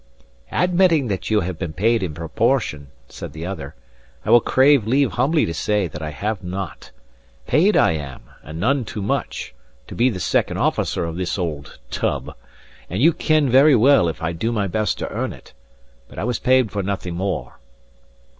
"Admitting that you have been paid in a proportion," said the other, "I will crave leave humbly to say that I have not. Paid I am, and none too much, to be the second officer of this old tub, and you ken very well if I do my best to earn it. But I was paid for nothing more."